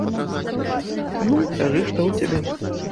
Ну, кажы, што ў цябе?